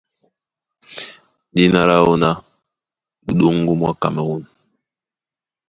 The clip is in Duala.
Dína láō ná Muɗóŋgó mwá Kamerûn.